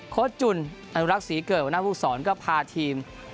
โค้ชจุ่นอนุรักษ์ศรีเกิดวันน่าภูมิสอนก็พาทีม